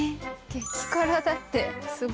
激辛だってすごい。